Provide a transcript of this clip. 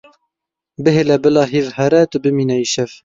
Bihêle bila hîv here, tu bimîne îşev.